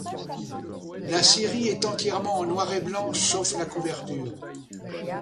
La série est entièrement en noir et blanc, sauf la couverture.